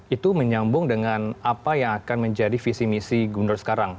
itu menyambung dengan apa yang akan menjadi visi misi gubernur sekarang